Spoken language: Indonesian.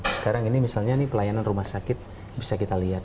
sekarang ini misalnya pelayanan rumah sakit bisa kita lihat